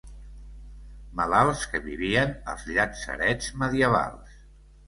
Malalts que vivien als llatzerets medievals.